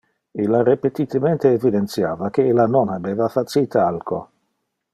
illa repetitemente evidentiava que illa non habeva facite alco